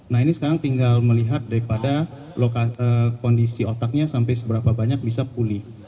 nah ini sekarang tinggal melihat daripada kondisi otaknya sampai seberapa banyak bisa pulih